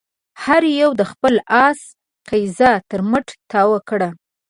هر يوه د خپل آس قيضه تر مټ تاو کړه.